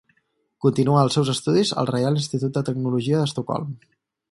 Continuà els seus estudis al Reial Institut de Tecnologia d'Estocolm.